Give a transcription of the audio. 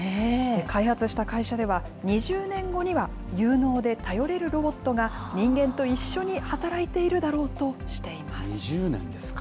開発した会社では、２０年後には、有能で頼れるロボットが、人間と一緒に働いているだろうとしてい２０年ですか。